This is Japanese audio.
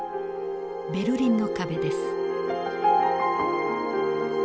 ベルリンの壁です。